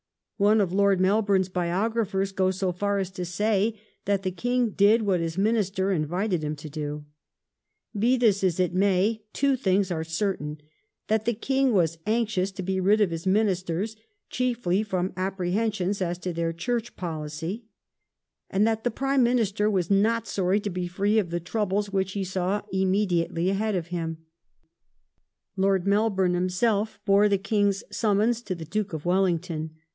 One of Lord Melbourne's biographei s goes so far as to say that " the King did what his Minister invited him to do ".^ Be this as it may, two things are certain : that the King was anxious to be rid of his Ministers, chiefly from apprehensions as to their Church policy ; and that the Prime Minister was not sorry to be free of the troubles \ which he saw immediately ahead of him. *Sir Robert Lord Melbourne himself bore the King's summons to the Duke Ministry ^^ Wellington.